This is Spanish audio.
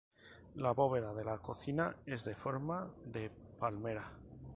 La bóveda de la cocina es de forma de palmera.